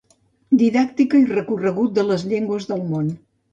Didàctica i recorregut de les llengües del món.